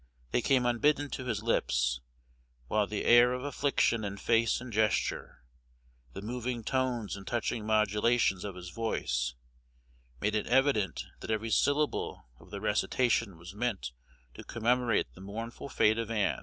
They came unbidden to his lips, while the air of affliction in face and gesture, the moving tones and touching modulations of his voice, made it evident that every syllable of the recitation was meant to commemorate the mournful fate of Ann.